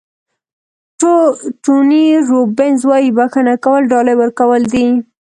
ټوني روبینز وایي بښنه کول ډالۍ ورکول دي.